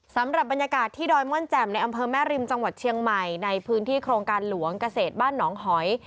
สำหรับบรรยากาศที่ดอยม่อนแจ่มในอำเภอแม่ริมจังหวัดเชียงใหม่ในพื้นที่โครงการหลวงเกษตรบ้านหนองหอย